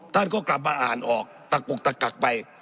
ท่านก็กลับมาอ่านออกตะกุกตะกักไป